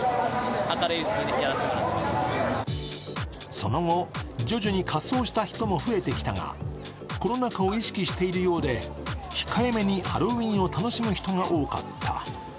その後、徐々に仮装した人も増えてきたがコロナ禍を意識しているようで、控えめにハロウィーンを楽しむ人が多かった。